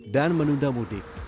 dan menunda mudik